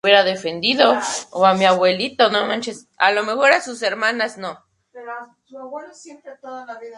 Renovación tecnológica.